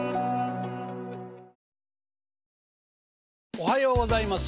おはようございます。